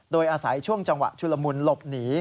โดยอาศัยช่วงจังหวะชุลมุนหลบหนี